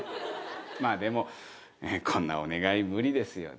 まあでもこんなお願い無理ですよね。